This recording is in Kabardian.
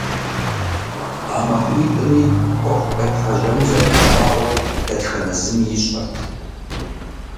А махуитӀыми Ӏуэху къепхьэжьэну зэрымыщӀагъуэр дэтхэнэ зыми ищӀэрт.